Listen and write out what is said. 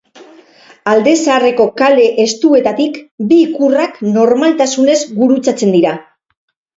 Alde zaharreko kale estuetatik bi ikurrak normaltasunez gurutzatzen dira.